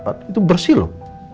waktu itu bersih lho